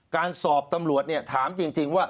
การสอบตำรวจเนี่ยถามจริงว่า